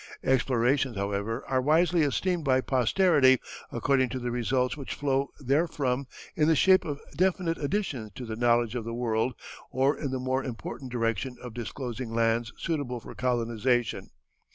Explorations, however, are wisely esteemed by posterity according to the results which flow therefrom in the shape of definite additions to the knowledge of the world or in the more important direction of disclosing lands suitable for colonization.